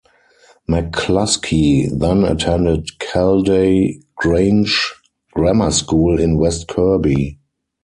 McCluskey then attended Calday Grange Grammar School in West Kirby.